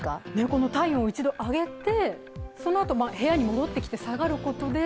この体温を一度上げて、その後、部屋に戻って下げることで。